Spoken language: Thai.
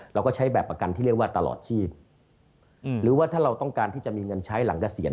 เราก็ใช้แบบประกันที่เรียกว่าตลอดชีพหรือว่าถ้าเราต้องการที่จะมีเงินใช้หลังเกษียณ